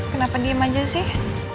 kenapa diem aja sih